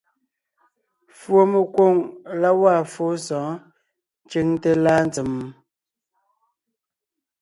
Fùɔmekwoŋ la gwaa fóo sɔ̌ɔn ncʉŋte láa ntsèm?